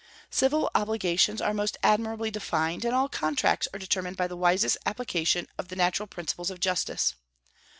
Civil obligations are most admirably defined, and all contracts are determined by the wisest application of the natural principles of justice.